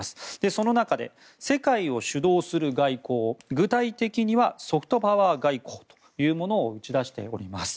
その中で、世界を主導する外交具体的にはソフトパワー外交というものを打ち出しております。